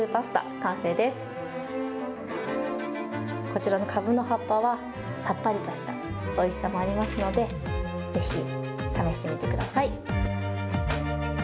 こちらのかぶの葉っぱは、さっぱりとしたおいしさもありますので、ぜひ試してみてください。